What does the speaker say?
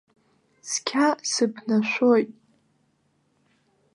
Цқьа сыԥнашәоит.